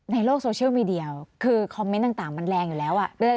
ในโลกโซเชียลมีเดียคือคอมเมนต์ต่างมันแรงอยู่แล้ว